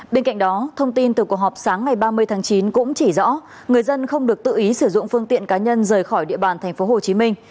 bên cạnh đó thông tin từ cuộc họp sáng ngày ba mươi tháng chín cũng chỉ rõ người dân không được tự ý sử dụng phương tiện cá nhân rời khỏi địa bàn tp hcm